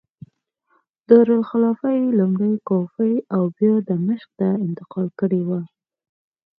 دارالخلافه یې لومړی کوفې او بیا دمشق ته انتقال کړې وه.